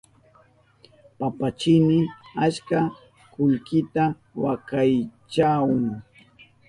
Papachini achka kullkita wakaychahun.